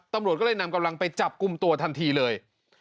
ตำรวจก็เลยนำกำลังไปจับกลุ่มตัวทันทีเลย